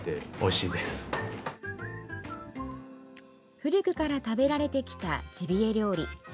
古くから食べられてきたジビエ料理。